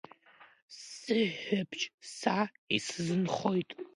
Сыҳәҳәабжь са исзынхоит.